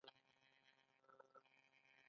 ایا زه به کڼ شم؟